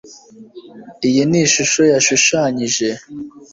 iyi ni ishusho nashushanyije